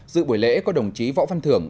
dự buổi lễ có đồng chí võ văn thưởng